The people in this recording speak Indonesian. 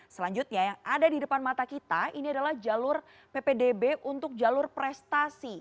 selanjutnya yang ada di depan mata kita ini adalah jalur ppdb untuk jalur prestasi